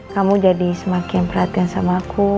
kamu jadi semakin perhatian sama aku